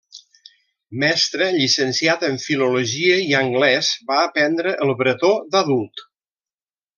Mestre llicenciat en filologia i anglès, va aprendre el bretó d'adult.